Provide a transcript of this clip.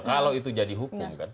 kalau itu jadi hukum kan